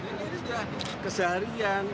ini sudah keseharian